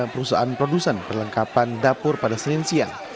perusahaan produsen perlengkapan dapur pada sering siang